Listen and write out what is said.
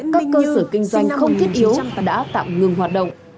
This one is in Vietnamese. các cơ sở kinh doanh không thiết yếu và đã tạm ngừng hoạt động